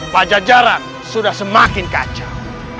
pajajaran sudah semakin kacau